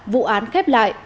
vụ án khép lại